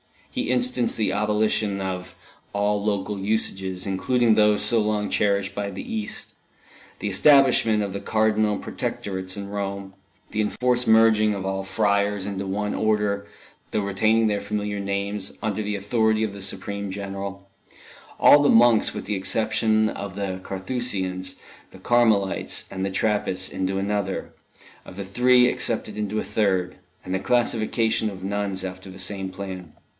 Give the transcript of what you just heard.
He instanced the abolition of all local usages, including those so long cherished by the East, the establishment of the Cardinal Protectorates in Rome, the enforced merging of all friars into one Order, though retaining their familiar names, under the authority of the supreme General; all monks, with the exception of the Carthusians, the Carmelites and the Trappists, into another; of the three excepted into a third; and the classification of nuns after the same plan.